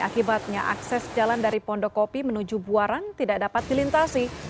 akibatnya akses jalan dari pondokopi menuju buaran tidak dapat dilintasi